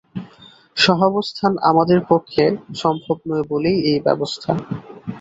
সহাবস্থান আমাদের পক্ষে সম্ভব নয় বলেই এই ব্যবস্থা।